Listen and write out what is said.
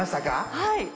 はい。